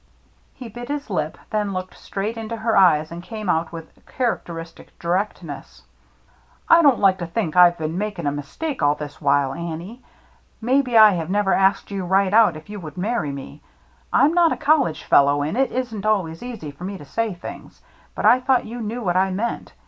" He bit his lip, then looked straight into her eyes and came out with characteristic directness :—" I don't like to think I've been making a mistake all this while, Annie. Maybe I have never asked you right out if you would marry me. I'm not a college fellow, and it isn't always easy for me to say things, but I thought you knew what I meant.